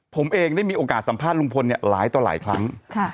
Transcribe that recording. ผมเองได้มีโอกาสสัมภาษณ์ลุงพลเนี่ยหลายต่อหลายครั้ง